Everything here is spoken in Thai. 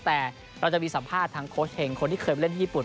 แต่เราจะมีสัมภาษณ์ทางโค้ชเฮงคนที่เคยไปเล่นที่ญี่ปุ่น